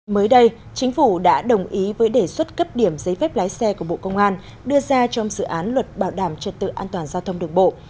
mới đây chính phủ đã đồng ý với đề xuất cấp điểm giấy phép lái xe của bộ công an đưa ra trong dự án luật bảo đảm trật tự an toàn giao thông đường bộ